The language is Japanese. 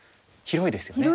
広いですね。